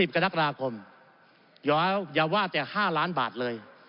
กรกฎาคมอย่าว่าแต่๕ล้านบาทเลย